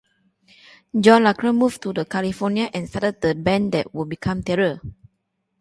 John Lacroix moved to California and started the band that would become Terror.